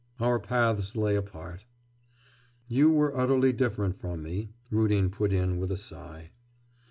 Our paths lay apart,'... 'You were utterly different from me,' Rudin put in with a sigh.